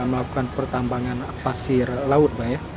melakukan pertambangan pasir laut pak ya